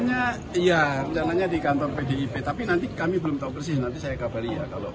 insya allah rencananya di kantor pdip tapi nanti kami belum tahu persis nanti saya kabari ya